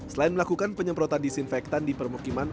selain melakukan penyemprotan disinfektan di permukiman